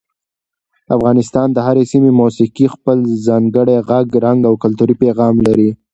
د افغانستان د هرې سیمې موسیقي خپل ځانګړی غږ، رنګ او کلتوري پیغام لري.